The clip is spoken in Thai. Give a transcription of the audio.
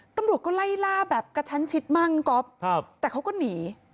ตำรวจก็ไล่ล่าแบบกระชั้นชิดมากน้องก๊อฟแต่เขาก็หนี